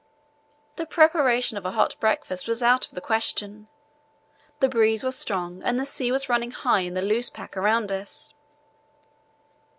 The preparation of a hot breakfast was out of the question. The breeze was strong and the sea was running high in the loose pack around us.